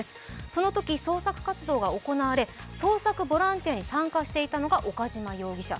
そのとき捜索活動が行われ、捜索ボランティアに参加していたのが岡島容疑者。